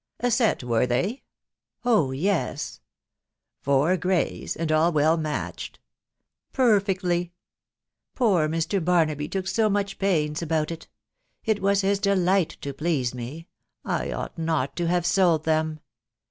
" A set, were they ?"— cs Oh yes." *f Four greys .... and all well matched ?"—€< Perfectly. .... Poor Mr. Barnaby took so much pains about it. ... It was his delight to please me .... I ought not to have sold them."